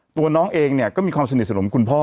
ตัวน้องเองเนี่ยก็มีความสนิทสนมคุณพ่อ